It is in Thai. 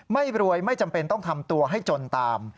ไม่รวยไม่จำเป็นต้องทำตัวให้จนตาม